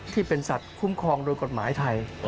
ที่เป็นสัตว์คุ้มครองโดยกฎหมายไทย